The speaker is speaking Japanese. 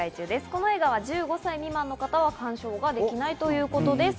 この映画は１５歳未満の方は鑑賞ができないということです。